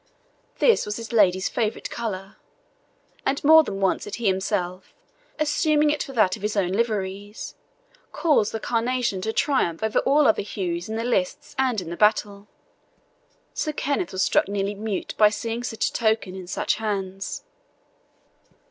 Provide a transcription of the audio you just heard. This was his lady's favourite colour, and more than once had he himself, assuming it for that of his own liveries, caused the carnation to triumph over all other hues in the lists and in the battle. Sir Kenneth was struck nearly mute by seeing such a token in such hands.